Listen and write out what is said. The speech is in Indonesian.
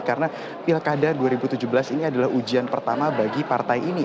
karena pilkada dua ribu tujuh belas ini adalah ujian pertama bagi partai ini